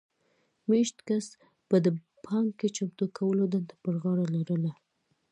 مېشت کس به د پانګې چمتو کولو دنده پر غاړه لرله